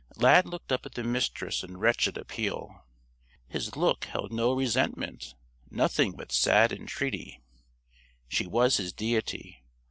Lad looked up at the Mistress in wretched appeal. His look held no resentment, nothing but sad entreaty. She was his deity.